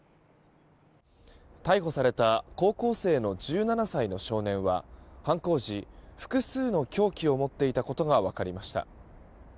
逮捕された高校生の１７歳の少年は犯行時、複数の凶器を持っていたことが分かりました。